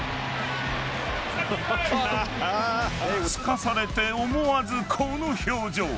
すかされて思わずこの表情。